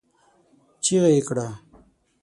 چيغه يې کړه!